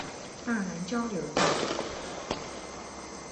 大湳交流道